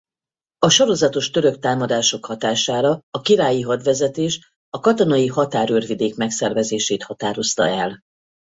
A sorozatos török támadások hatására a királyi hadvezetés a katonai határőrvidék megszervezését határozta el.